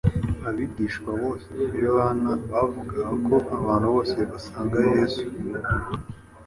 Abigishwa ba Yohana bavugaga ko abantu bose basanga Kristo;